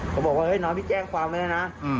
เขาบอกว่าน้องพี่แจ้งความเลยนะ